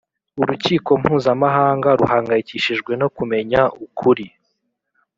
urukiko mpuzamahanga ruhangayikishijwe no kumenya ukuri,